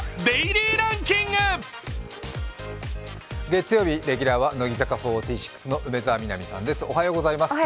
月曜日、レギュラーは乃木坂４６の梅澤美波さんです。